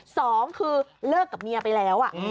สองคือเลิกกับเมียไปแล้ว